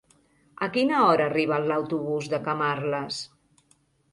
A quina hora arriba l'autobús de Camarles?